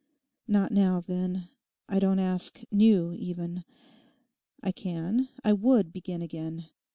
Not now, then; I don't ask new even. I can, I would begin again.